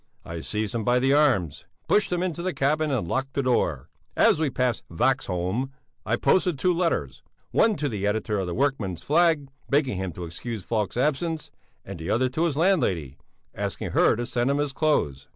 I seized him by the arms, pushed him into the cabin and locked the door. As we passed Vaxholm, I posted two letters; one to the editor of the Workman's Flag, begging him to excuse Falk's absence, and the other to his landlady, asking her to send him his clothes.